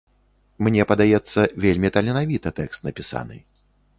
Мне падаецца, вельмі таленавіта тэкст напісаны.